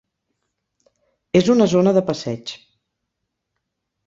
És una zona de passeig.